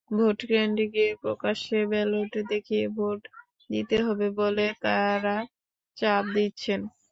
ভোটকেন্দ্রে গিয়ে প্রকাশ্যে ব্যালট দেখিয়ে ভোট দিতে হবে বলে তাঁরা চাপ দিচ্ছেন।